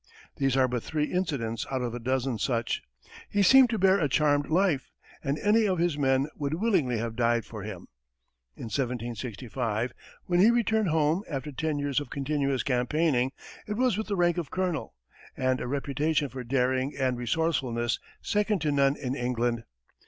These are but three incidents out of a dozen such. He seemed to bear a charmed life, and any of his men would willingly have died for him. In 1765, when he returned home after ten years of continuous campaigning, it was with the rank of colonel, and a reputation for daring and resourcefulness second to none in New England.